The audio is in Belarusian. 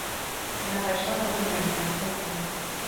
Яна пайшла задуменная, смутная.